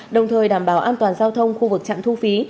đồng thời đảm bảo an toàn giao thông khu vực trạm thu phí